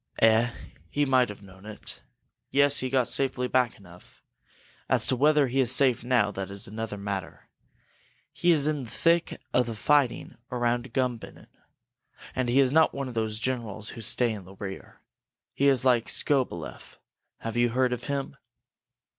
"Eh he might have known it! Yes, he got back safely enough. As to whether he is safe now, that is another matter. He is in the thick of the fighting around Gumbinnen, and he is not one of those generals who stay in the rear. He is like Skobeleff. Have you heard of him?"